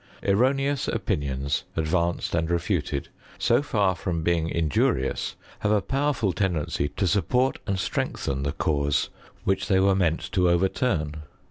Erroneom opinions advanced and refuted, so far from beiiiv injurious, have a powerful tendency to support and strengthen the cause which they were meant to CHEMISTRT IW GREAT BRITAIN . II overturn.